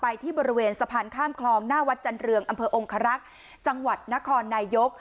ที่บริเวณสะพานข้ามคลองหน้าวัดจันเรืองอำเภอองครักษ์จังหวัดนครนายก